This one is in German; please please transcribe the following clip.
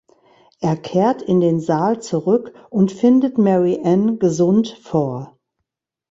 Er kehrt in den Saal zurück und findet Mary Ann gesund vor.